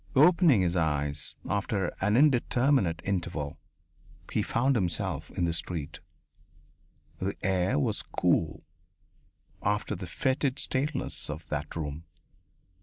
Opening his eyes after an indeterminate interval, he found himself in the street. The air was cool after the fetid staleness of that room.